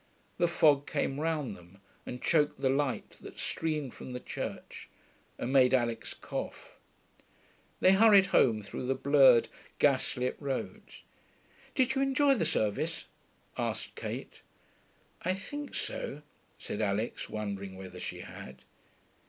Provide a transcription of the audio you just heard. The fog came round them and choked the light that streamed from the church, and made Alix cough. They hurried home through the blurred, gas lit roads. 'Did you enjoy the service?' asked Kate. 'I think so,' said Alix, wondering whether she had.